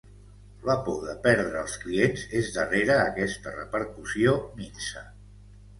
La por de perdre els clients és darrere aquesta repercussió minsa.